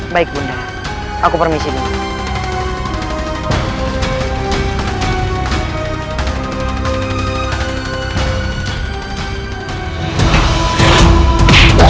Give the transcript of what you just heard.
baik bunda aku permisi nih